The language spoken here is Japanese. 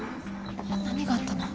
何があったの？